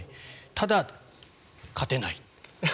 ただ、勝てない。